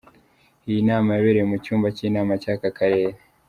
Iyi nama yabereye mu cyumba cy’inama cy’aka karere.